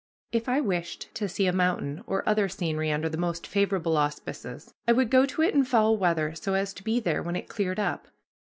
If I wished to see a mountain or other scenery under the most favorable auspices, I would go to it in foul weather so as to be there when it cleared up.